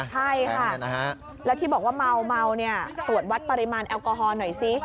ใช่ค่ะแล้วที่บอกว่าเมาเนี่ยตรวจวัดปริมาณแอลกอฮอลหน่อยซิ